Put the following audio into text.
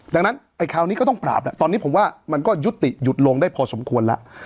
ดังนั้นไอ้คราวนี้ก็ต้องปราบแล้วตอนนี้ผมว่ามันก็ยุติหยุดลงได้พอสมควรแล้ว